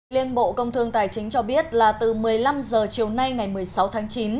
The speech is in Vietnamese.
liên bộ công thương tài chính cho biết là từ một mươi năm h chiều nay ngày một mươi sáu tháng chín